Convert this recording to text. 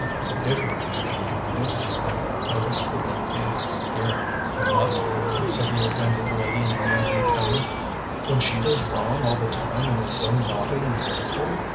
"Forgive her, and be good to her," I whispered in Thieng's ear. "What!" said the offended lady in an angry tone, "when she does wrong all the time, and is so naughty and wilful?